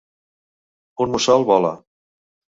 Un mussol vola.